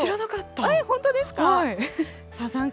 えー、本当ですか？